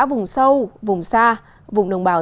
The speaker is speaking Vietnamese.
vùng sâu vùng xa vùng đồng bào